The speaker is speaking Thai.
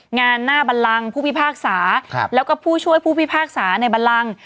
งานหน้าบันลังผู้พิพากษาแล้วก็ผู้ช่วยผู้พิพากษาในบันลัง